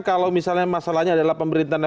kalau misalnya masalahnya adalah pemerintah